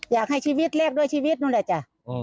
อ๋ออยากให้ชีวิตเรียกด้วยชีวิตนั่นแหละจ้ะอ๋อ